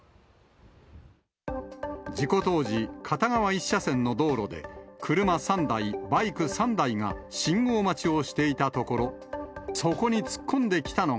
事故当時、片側１車線の道路で、車３台、バイク３台が信号待ちをしていたところ、そこに突っ込んできたのが。